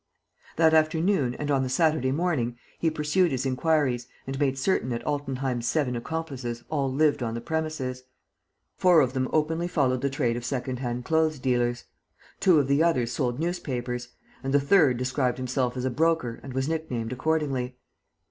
That afternoon and on the Saturday morning, he pursued his inquiries and made certain that Altenheim's seven accomplices all lived on the premises. Four of them openly followed the trade of second hand clothes dealers. Two of the others sold newspapers; and the third described himself as a broker and was nicknamed accordingly.